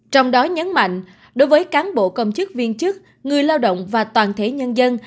trong đó nhấn mạnh đối với cán bộ công chức viên chức người lao động và toàn thể nhân dân